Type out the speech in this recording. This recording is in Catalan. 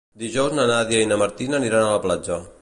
Dijous na Nàdia i na Martina aniran a la platja.